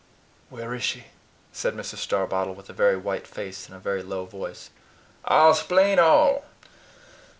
"Where is she?" said Mrs. Starbottle, with a very white face and a very low voice. "I'll splain all.